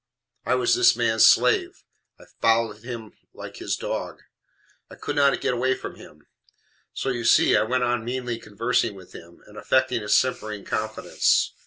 I was this man's slave. I followed him like his dog. I COULD not get away from him. So, you see, I went on meanly conversing with him, and affecting a simpering confidence.